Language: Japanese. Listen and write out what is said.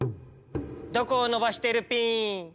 どこをのばしてるピン！